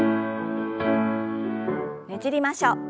ねじりましょう。